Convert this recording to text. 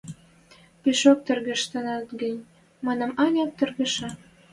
Пишок тӹргештӹнет гӹнь, манам, ӓнят, тӹргештӹ